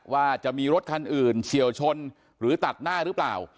ว่าจะมีรถคันอื่นเฉียวชนหรือตัดหน้าหรือเปล่า